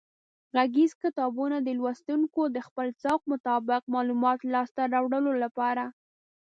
غږیز کتابونه د لوستونکو د خپل ذوق مطابق معلوماتو لاسته راوړلو لپاره